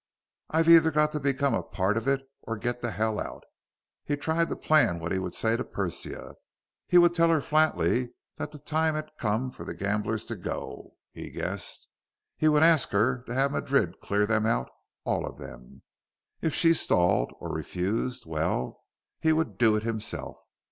I've either got to become a part of it or get the hell out._ He tried to plan what he would say to Persia. He would tell her flatly that the time had come for the gamblers to go, he guessed. He would ask her to have Madrid clear them out, all of them. If she stalled or refused well, he would do it himself.